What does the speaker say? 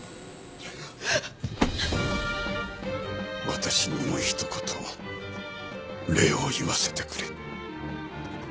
私にもひと言礼を言わせてくれ。